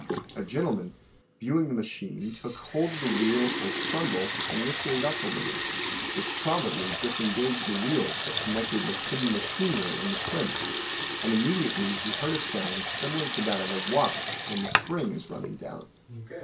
A gentleman, viewing the machine took hold of the wheel or trundle and lifted it up a little, which probably disengaged the wheels that connected the hidden machinery in the plinth, and immediately he heard a sound similar to that of a watch when the spring is run ning down.